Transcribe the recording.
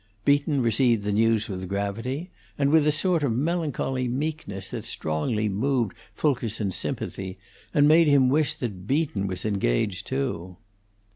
Beaton received the news with gravity, and with a sort of melancholy meekness that strongly moved Fulkerson's sympathy, and made him wish that Beaton was engaged, too.